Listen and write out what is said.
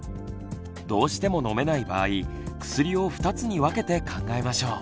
どうしても飲めない場合薬を２つに分けて考えましょう。